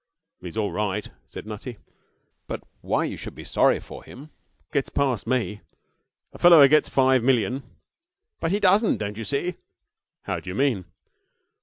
'He's all right,' said Nutty. 'But why you should be sorry for him gets past me. A fellow who gets five million ' 'But he doesn't, don't you see?' 'How do you mean?'